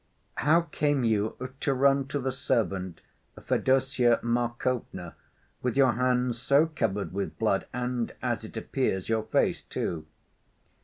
"How came you to run to the servant, Fedosya Markovna, with your hands so covered with blood, and, as it appears, your face, too?"